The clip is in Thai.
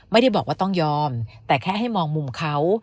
ไม่ได้บอกว่าต้องยอมแต่แค่ให้มองมุมเขา